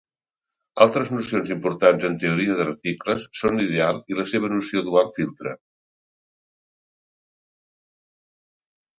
Altres nocions importants en teoria de reticles són ideal i la seva noció dual filtre.